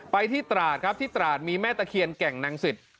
ไปที่ตราธที่ตราธมีแม่ตะเคียนแก่งลังศิษย์